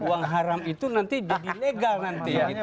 uang haram itu nanti dinegal nanti